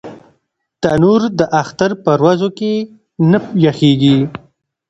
تنور د اختر پر ورځو کې نه یخېږي